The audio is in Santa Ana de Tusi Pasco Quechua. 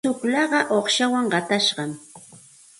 Tsullaaqa uuqshawan qatashqam.